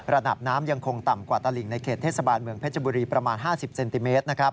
ระดับน้ำยังคงต่ำกว่าตลิ่งในเขตเทศบาลเมืองเพชรบุรีประมาณ๕๐เซนติเมตร